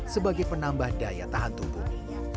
sebagai penambah daya tahan tubuh